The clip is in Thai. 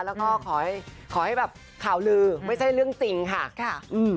แล้วก็ขอให้ข่าวรือไม่ใช่เรื่องจริงค่ะ